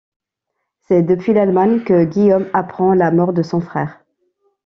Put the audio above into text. C’est depuis l’Allemagne que Guillaume apprend la mort de son frère.